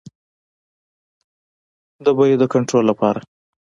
د بیو د کنټرول لپاره.